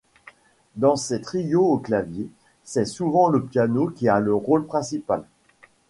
Dans ses trios à clavier, c’est souvent le piano qui a le rôle principal.